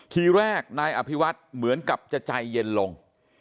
ทีแรกนายอภิวัฒน์เหมือนกับจะใจเย็นลง